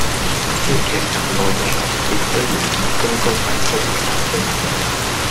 啲劇集內容情節雖然好多都係虛構嘅